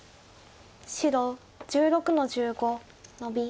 白１６の十五ノビ。